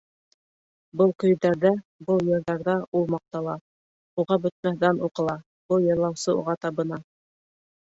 Был көйҙәрҙә, был йырҙарҙа ул маҡтала, уға бөтмәҫ дан уҡыла, был йырлаусы уға табына...